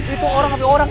itu orang ada orang